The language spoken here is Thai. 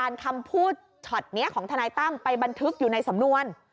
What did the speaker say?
นี่ของทนายตั้มไปบันทึกอยู่ในสำนวน